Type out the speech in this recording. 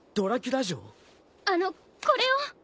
あのこれを！